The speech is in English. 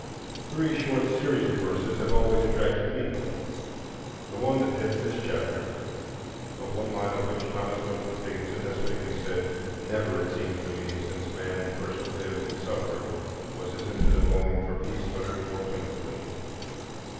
Three short series of verses have always attracted me,—the one that heads this chapter, of one line of which Thomas Wentworth Higginson has fittingly said, "Never, it seems to me, since man first lived and suffered was his infinite longing for peace uttered more plaintively."